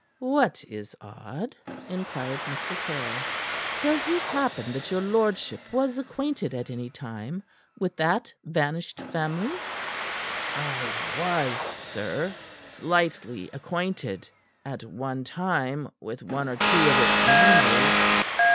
"What is odd?" inquired Mr. Caryll. "Does it happen that your lordship was acquainted at any time with that vanished family?" "I was, sir slightly acquainted at one time with one or two of its members.